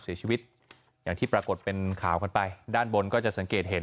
เสียชีวิตอย่างที่ปรากฏเป็นข่าวกันไปด้านบนก็จะสังเกตเห็น